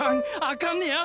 あかんねや。